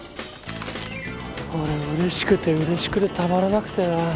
俺うれしくてうれしくてたまらなくてな